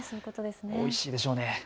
おいしいでしょうね。